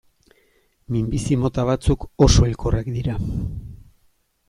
Minbizi mota batzuk oso hilkorrak dira.